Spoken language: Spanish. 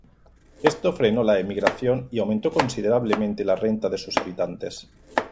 Esto frenó la emigración y aumentó considerablemente la renta de sus habitantes.